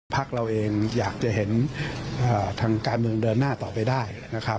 พักเราเองอยากจะเห็นทางการเมืองเดินหน้าต่อไปได้นะครับ